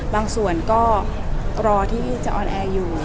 บางส่วนก็รอที่จะออนแอร์อยู่